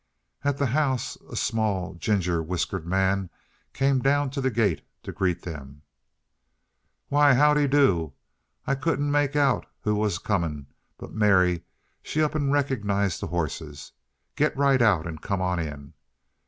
At the house a small, ginger whiskered man came down to the gate to greet them. "Why, how de do! I couldn't make out who 't was comin', but Mary, she up an' rek'nized the horses. Git right out an' come on in!